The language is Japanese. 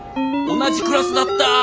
同じクラスだった。